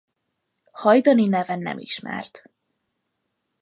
Hajdani neve nem ismert.